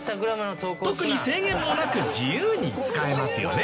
特に制限もなく自由に使えますよね。